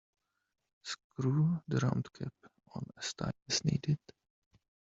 Screw the round cap on as tight as needed.